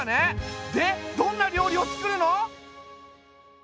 でどんな料理をつくるの？